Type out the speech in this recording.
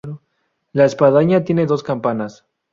La espadaña tiene dos campanas.